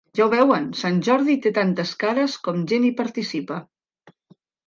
Ja ho veuen, Sant Jordi té tantes cares com gent hi participa!